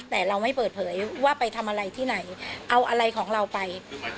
แต่เราไม่เปิดเผยว่าไปทำอะไรที่ไหนเอาอะไรของเราไป